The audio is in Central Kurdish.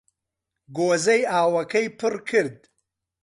گۆزەی ئاوەکەی پڕ کرد